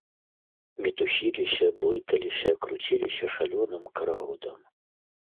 Мітусіліся, блыталіся, круціліся шалёным карагодам.